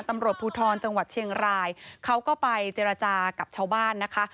ตำรวจภูทรจังหวัดเชียงรายเขาก็ไปเจรจากับชาวบ้านนะคะ